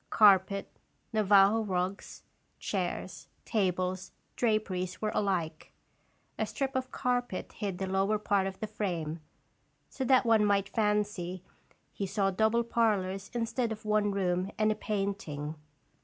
Carpet, Navajo rugs, chairs, tables, draperies were alike. A strip of carpet hid the lower part of the frame, so that one might fancy he saw double parlors instead of one room and a painting.